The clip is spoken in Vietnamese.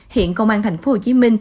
hiện công an tp hcm